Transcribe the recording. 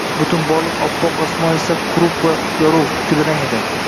Butun borliq oppoq, osmon esa quruq va yorugʻ, kulrang edi.